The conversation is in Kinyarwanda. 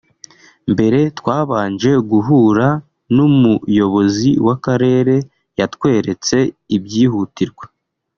mbere twabanje guhura n’umuyobozi w’Akarere yatweretse ibyihutirwa